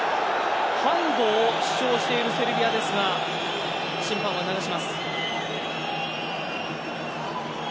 ハンドを主張しているセルビアですが審判は流します。